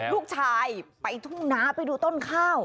ลูกชายไปทุ่งน้าไปดูต้นข้าว